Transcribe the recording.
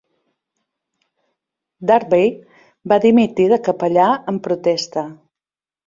Darby va dimitir de capellà en protesta.